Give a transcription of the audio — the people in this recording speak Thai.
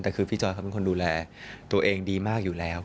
แต่คือพี่จอยเขาเป็นคนดูแลตัวเองดีมากอยู่แล้ว